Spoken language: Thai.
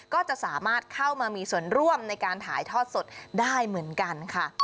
ก็จะสามารถเข้ามามีส่วนร่วมในการถ่ายทอดสดได้เหมือนกันค่ะ